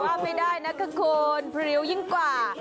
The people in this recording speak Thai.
ว่าไม่ได้นะคะคุณพริ้วยิ่งกว่า